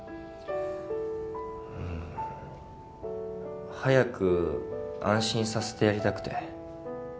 うーん。早く安心させてやりたくて。